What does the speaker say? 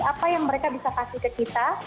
apa yang mereka bisa kasih ke kita